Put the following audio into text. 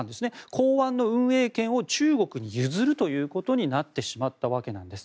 港湾の運営権を中国に譲ることになってしまったんです。